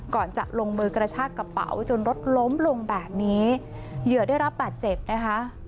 ก่อนจะลงมือกระชากระเป๋าจนรถล้มลงแบบนี้เหยื่อได้รับบาดเจ็บนะคะ